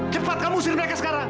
cepat kamu usir mereka sekarang